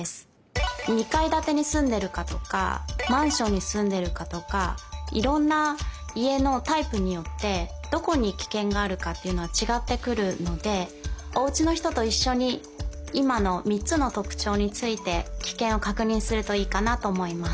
２かいだてにすんでるかとかマンションにすんでるかとかいろんな家のタイプによってどこにキケンがあるかっていうのはちがってくるのでおうちのひとといっしょにいまのみっつのとくちょうについてキケンをかくにんするといいかなとおもいます。